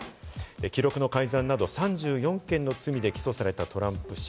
記録の改ざんなど３４件の罪で起訴されたトランプ氏。